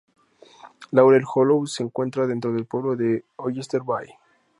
Laurel Hollow se encuentra dentro del pueblo de Oyster Bay.